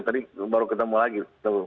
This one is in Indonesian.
tadi baru ketemu lagi